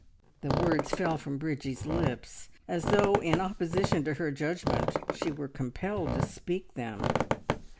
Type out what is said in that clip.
The words fell from Bridgie's lips as though in opposition to her judgment she were compelled to speak them.